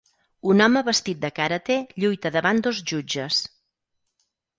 Un home vestit de karate lluita davant dos jutges.